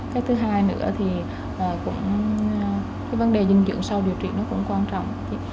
cái thứ hai nữa vấn đề dinh dưỡng sau điều trị cũng quan trọng